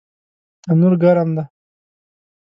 تنور ګرم دی